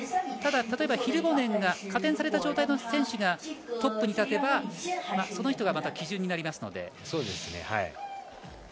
ただ、例えばヒルボネン加点された状態の選手がトップに立てばその人が基準になりますので。